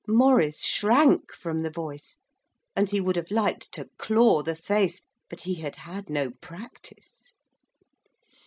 Maurice shrank from the voice, and he would have liked to claw the face, but he had had no practice.